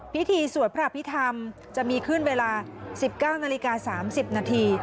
พิธีสวดพระอภิษฐรรมจะมีขึ้นเวลา๑๙นาฬิกา๓๐นาที